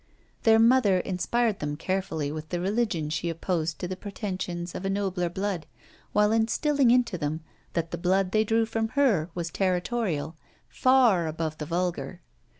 Their mother inspired them carefully with the religion she opposed to the pretensions of a nobler blood, while instilling into them that the blood they drew from her was territorial, far above the vulgar.